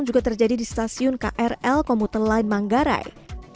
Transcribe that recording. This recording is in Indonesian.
juga terjadi di stasiun krl komuter line manggarai